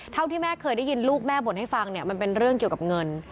เท่าที่แม่เคยได้ยินลูกแม่บ่นให้ฟังเนี่ยมันเป็นเรื่องเกี่ยวกับเงิน